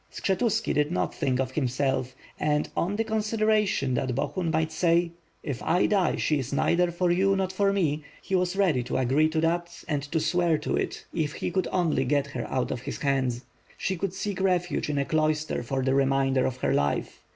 Skshetuski did not think of himself, and, on the consideration that Bohun might say "If I die, she is neither for you nor for me/' he was ready to agree to that and to swear to it, if he could only get her out of his hands. She could seek refuge in a cloister for the re mainder of her life.